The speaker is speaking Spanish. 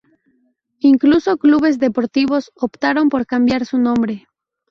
Incluso clubes deportivos optaron por cambiar su nombre.